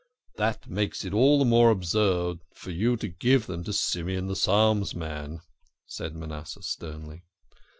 " That makes it all the more absurd for you to give them to Simeon the Psalms man," said Manasseh sternly.